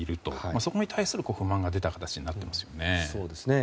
そこに対する不満が出た形になっていますね。